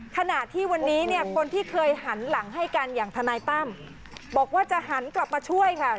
ขณะที่วันนี้เนี่ยคนที่เคยหันหลังให้กันอย่างทนายตั้มบอกว่าจะหันกลับมาช่วยค่ะ